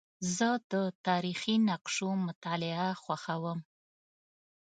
زه د تاریخي نقشو مطالعه خوښوم.